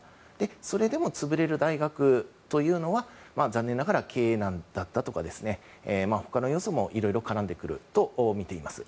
それでも潰れる大学は残念ながら経営難だったですとか他の要素もいろいろ絡んでくるとみています。